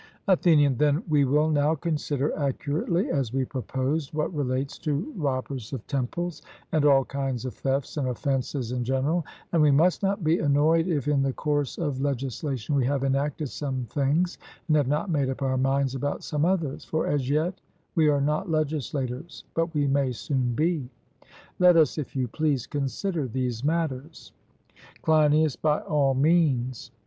ATHENIAN: Then we will now consider accurately, as we proposed, what relates to robbers of temples, and all kinds of thefts, and offences in general; and we must not be annoyed if, in the course of legislation, we have enacted some things, and have not made up our minds about some others; for as yet we are not legislators, but we may soon be. Let us, if you please, consider these matters. CLEINIAS: By all means.